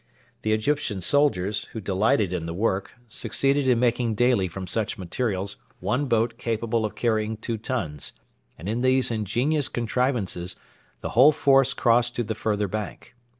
The Egyptian soldiers, who delighted in the work, succeeded in making daily from such materials one boat capable of carrying two tons; and in these ingenious contrivances the whole force crossed to the further bank.